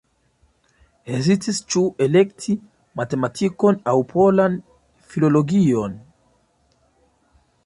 Hezitis ĉu elekti matematikon aŭ polan filologion.